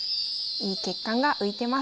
いい血管が浮いてます。